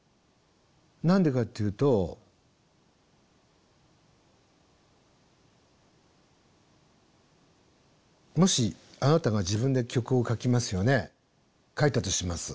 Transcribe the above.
何でかっていうともしあなたが自分で曲を書きますよね書いたとします。